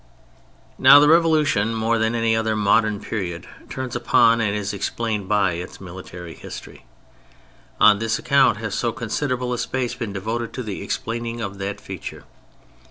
Now, the Revolution, more than any other modem period, turns upon, and is explained by, its military history. On this account has so considerable a space been devoted to the explaining of that feature.